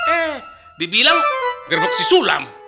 eh dibilang gerbok si sulam